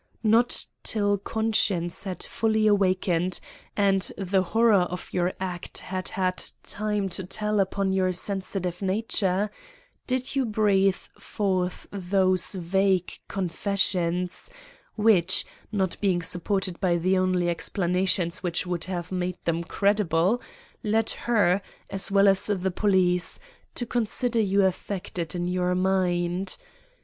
Not till conscience had fully awakened and the horror of your act had had time to tell upon your sensitive nature, did you breathe forth those vague confessions, which, not being supported by the only explanations which would have made them credible, led her, as well as the police, to consider you affected in your mind.